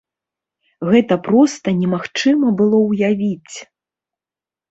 Гэта проста немагчыма было ўявіць!